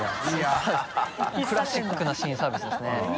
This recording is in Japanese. クラシックな新サービスですね。